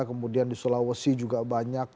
kemudian di sulawesi juga banyak